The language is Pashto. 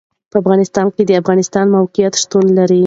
په افغانستان کې د افغانستان د موقعیت شتون لري.